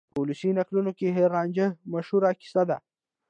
په ولسي نکلونو کې هیر رانجھا مشهوره کیسه ده.